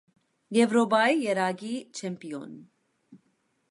Եվրոպայի եռակի չեմպիոն։